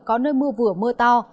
có nơi mưa vừa mưa to